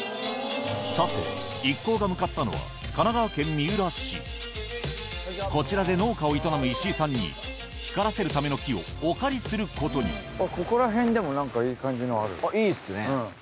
さて一行が向かったのはこちらで農家を営む石井さんに光らせるための木をお借りすることにここら辺でも何かいい感じのある。